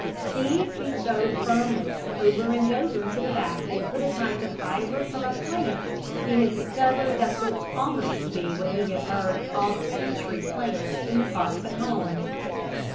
These he sewed firmly, over and over, to the basket with a kind of fibre from a plant he had discovered that looked almost to be what he had heard called the century plant in the parks at home.